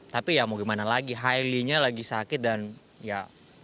tapi ya mau gimana lagi highly nya lagi sakit dan ya